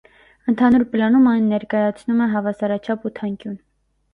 Ընդհանուր պլանում այն ներկայացնում է հավասարաչափ ութանկյուն։